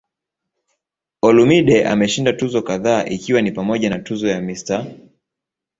Olumide ameshinda tuzo kadhaa ikiwa ni pamoja na tuzo ya "Mr.